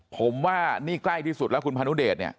ผมว่านี่ใกล้ที่สุดแล้วคุณพานุเดชเนี่ย